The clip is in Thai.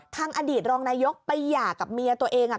อดีตรองนายกไปหย่ากับเมียตัวเอง